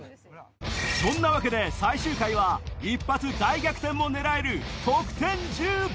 そんなわけで最終回は一発大逆転も狙える